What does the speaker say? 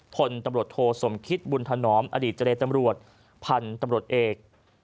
พลตำรวจโทสมคิตบุญธนอมอดีตเจรตำรวจพันธุ์ตำรวจเอก